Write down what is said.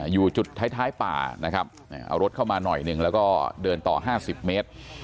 อยู่จุดท้ายป่านะครับเอารถเข้ามาหน่อยหนึ่งแล้วก็เดินต่อ๕๐เมตร